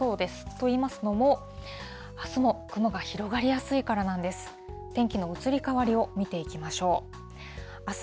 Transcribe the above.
と言いますのも、あすも雲が広がりやすいからなんです。